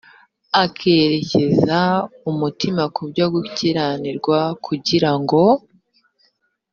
akerekeza umutima ku byo gukiranirwa kugira ngo